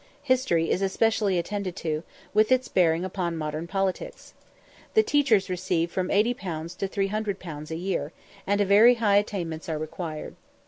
History is especially attended to, with its bearing upon modern politics. The teachers receive from 80_l._ to 300_l._ a year, and very high attainments are required.